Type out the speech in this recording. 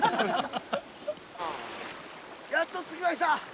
「やっと着きました。